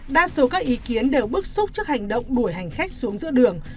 đa số các ý kiến đều bức xúc trước hành động đuổi hành khách xuống giữa đường